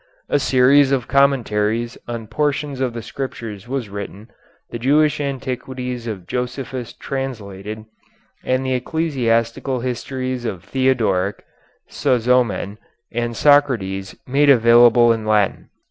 A series of commentaries on portions of the Scriptures was written, the Jewish antiquities of Josephus translated, and the ecclesiastical histories of Theodoric, Sozomen, and Socrates made available in Latin.